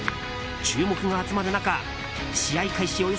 注目が集まる中試合開始